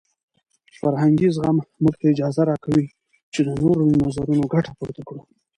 فرهنګي زغم موږ ته اجازه راکوي چې د نورو له نظرونو ګټه پورته کړو.